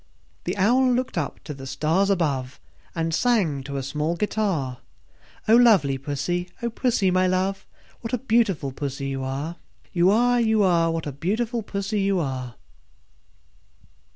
The Owl looked up to the stars above, And sang to a small guitar, "O lovely Pussy, O Pussy, my love, What a beautiful Pussy you are, You are, You are! What a beautiful Pussy you are!"